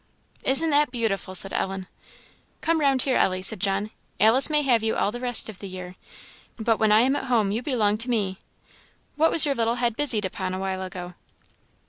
"Isn't that beautiful!" said Ellen. "Come round here, Ellie," said John; "Alice may have you all the rest of the year, but when I am at home you belong to me. What was your little head busied upon a while ago?"